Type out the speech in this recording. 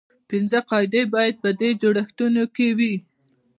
پنځه قاعدې باید په دې جوړښتونو کې وي.